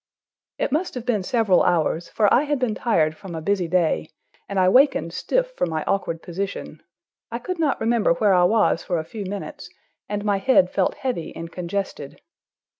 It must have been several hours, for I had been tired from a busy day, and I wakened stiff from my awkward position. I could not remember where I was for a few minutes, and my head felt heavy and congested.